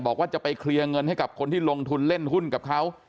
บอกว่าจะไปเคลียร์เงินให้กับคนที่ลงทุนเล่นหุ้นกับเขา